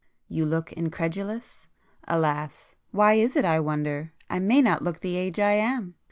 You look incredulous? Alas, why is it I wonder, I may not look the age I am!